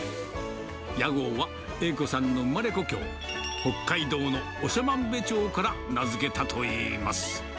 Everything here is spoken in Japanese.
屋号は栄子さんの生まれ故郷、北海道の長万部町から名付けたといいます。